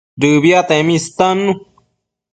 Dëbiatemi istannu